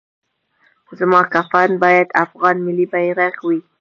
زما کفن باید افغان ملي بیرغ وي